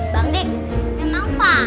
bang dik kenapa